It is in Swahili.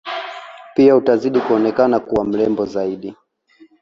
Pia utazidi kuonekana kuwa mrembo zaidi